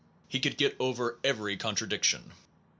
He could get over every contradiction.